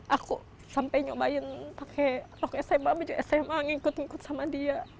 aku sampai nyobain pakai rok sma sma ngikut ngikut sama dia